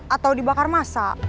atau dibakar masa